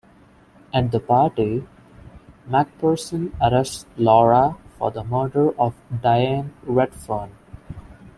At the party, McPherson arrests Laura for the murder of Diane Redfern.